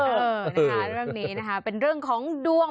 เออนะคะเรื่องนี้นะคะเป็นเรื่องของดวง